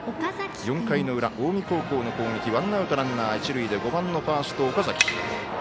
４回の裏、近江高校の攻撃ワンアウト、ランナー、一塁で５番ファースト岡崎。